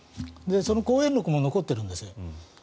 その講演録まで残っているんです。